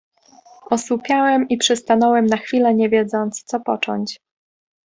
"Osłupiałem i przystanąłem na chwilę, nie wiedząc, co począć."